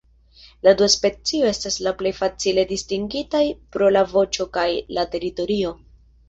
La du specioj estas plej facile distingitaj pro la voĉo kaj la teritorio.